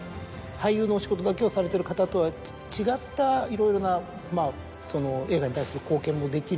俳優のお仕事だけをされてる方とは違ったいろいろな映画に対する貢献もできる。